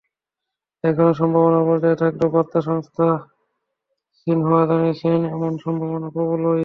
এখনো সম্ভাবনার পর্যায়ে থাকলেও বার্তা সংস্থা সিনহুয়া জানিয়েছে, এমন সম্ভাবনা প্রবলই।